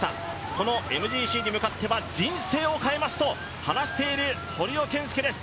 このＭＧＣに向かっては人生を変えますと話している堀尾謙介です。